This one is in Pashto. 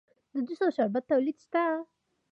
د جوس او شربت تولیدات شته